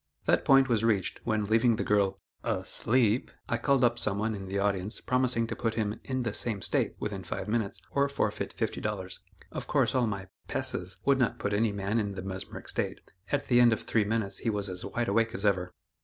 That point was reached, when leaving the girl "asleep," I called up some one in the audience, promising to put him "in the same state" within five minutes, or forfeit fifty dollars. Of course, all my "passes" would not put any man in the mesmeric state; at the end of three minutes he was as wide awake as ever.